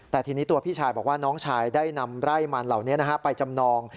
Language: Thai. แต่ทีนี้ตัวพี่ชายบอกว่าน้องชายได้นำไร่มันเหล่านี้ไปจำนอง